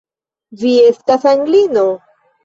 Vi estas Anglino?